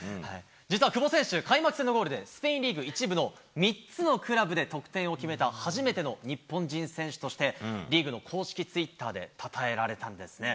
実は久保選手、開幕戦のゴールで、スペインリーグ１部の３つのクラブで得点を決めた初めての日本人選手として、リーグの公式ツイッターでたたえられたんですね。